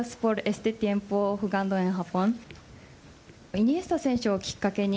イニエスタ選手をきっかけに